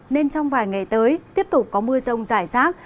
nên trong vài ngày tới tiếp tục có mưa rông rải rác